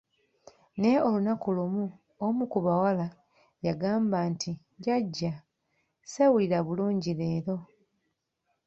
Naye olunaku lumu, omu ku bawala yagamba nti, jjaja, sewulila bulungi leero.